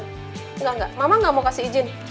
enggak enggak mama gak mau kasih izin